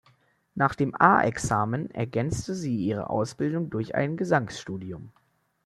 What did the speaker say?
Nach dem A-Examen ergänzte sie ihre Ausbildung durch ein Gesangsstudium.